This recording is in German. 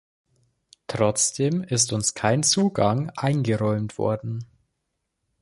Trotzdem ist uns kein Zugang eingeräumt worden.